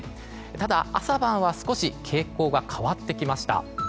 ただ、朝晩は少し傾向が変わってきました。